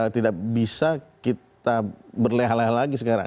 tidak bisa kita berlehal lehal lagi sekarang